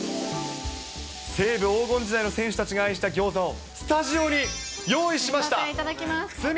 西武、黄金時代の選手たちが愛したギョーザをスタジオに用意しました。